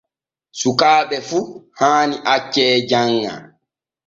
Sukaaɓe fu haani acce janŋa.